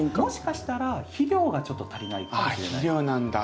もしかしたら肥料がちょっと足りないかもしれない。